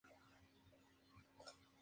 Involucro a menudo radiante.